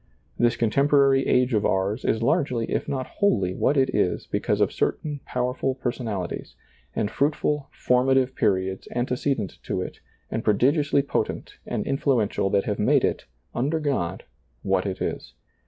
This contemporary age of ours is largely if not wholly what it is because of certain powerful personalities, and fruitful, formative periods ante cedent to it and prodigiously potent and influen tial that have made it, under God, what it is.